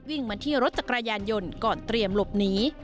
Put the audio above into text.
วิ่งมาที่รถจักรยานยนต์ก่อนเตรียมหลบหนี